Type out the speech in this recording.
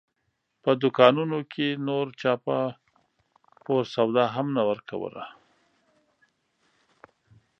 په دوکانونو کې نور چا په پور سودا هم نه ورکوله.